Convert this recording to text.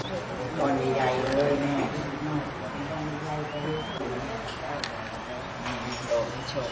ถูกมาก๑๐น้อยได้มาตลอด